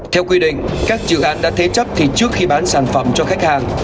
theo quy định các dự án đã thế chấp thì trước khi bán sản phẩm cho khách hàng